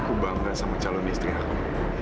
aku bangga sama calon istri aku